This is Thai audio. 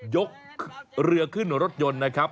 ยกเรือขึ้นรถยนต์นะครับ